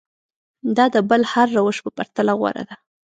دا د بل هر روش په پرتله غوره ده.